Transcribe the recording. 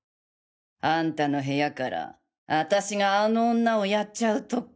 あんたの部屋からあたしがあの女をやっちゃうトコ。